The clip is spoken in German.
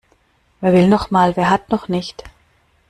Wer will noch mal, wer hat noch nicht?